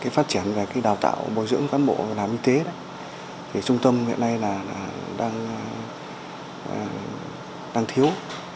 phát triển và đào tạo bồi dưỡng cán bộ làm y tế thì trung tâm hiện nay đang thiếu